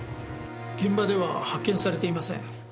現場では発見されていません。